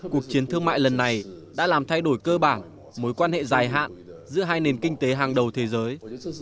cuộc chiến thương mại lần này đã làm thay đổi cơ bản mối quan hệ dài hạn giữa hai nền kinh tế hàng đầu thế giới